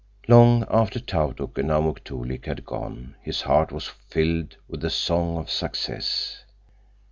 Long after Tautuk and Amuk Toolik had gone, his heart was filled with the song of success.